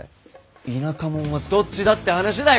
田舎モンはどっちだって話だい！